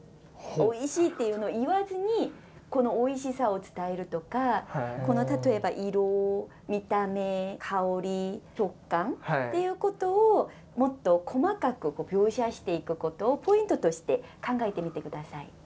「おいしい」っていうのを言わずにこのおいしさを伝えるとか例えば色見た目香り食感っていうことをもっと細かく描写していくことをポイントとして考えてみて下さい。